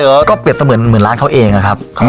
ก็เปรียบเสมือนเหมือนร้านเขาเองอะครับ